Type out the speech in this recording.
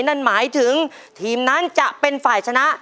นั่นหมายถึงทีมนั้นจะเป็นฝ่ายชนะ